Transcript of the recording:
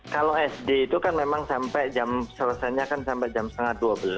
kalau sd itu kan memang sampai jam selesainya kan sampai jam setengah dua belas